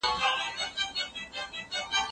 د رسول الله ﷺ سنتونه را ژوندي کړئ.